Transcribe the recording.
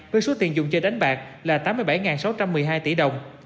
với số tiền dùng chơi đánh bạc là tám mươi bảy sáu trăm một mươi hai tỷ đồng